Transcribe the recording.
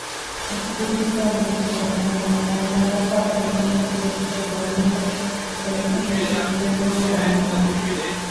އަދި ފުރިޖުގައި މިރުސް ބަހައްޓާނަމަ ތަނޑި ނަގާފައި ބެހެއްޓުމުން މިރުސްތައް ދޮން ނުވެ ފެހިކަންމަތީ ގިނަ ދުވަހު ހުންނާނެ